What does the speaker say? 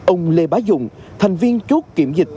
ông lê bá dũng thành viên chốt kiểm dịch